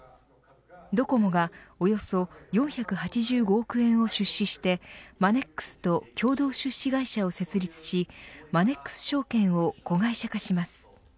ドコモがおよそ４８５億円を出資してマネックスと共同出資会社を設立しマネックス証券を子会社化します。